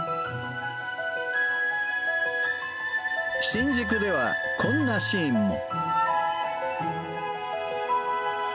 新宿では、こんなシーンも。